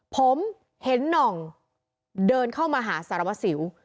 ผมเห็นหน่องเดินเข้ามาหาสารวัสสิว